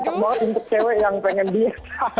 cakak banget untuk cewek yang pengen diet